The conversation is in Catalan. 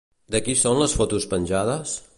De qui són les fotos penjades?